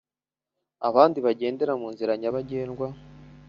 Abandi bagendera mu nzira nyabagendwa